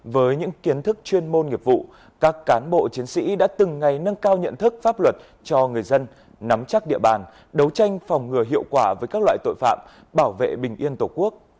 với những kiến thức chuyên môn nghiệp vụ các cán bộ chiến sĩ đã từng ngày nâng cao nhận thức pháp luật cho người dân nắm chắc địa bàn đấu tranh phòng ngừa hiệu quả với các loại tội phạm bảo vệ bình yên tổ quốc